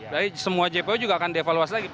jadi semua jpo juga akan dievaluasi lagi